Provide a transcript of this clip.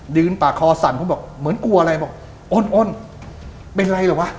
ปากคอสั่นผมบอกเหมือนกลัวอะไรบอกอ้นอ้นเป็นไรเหรอวะ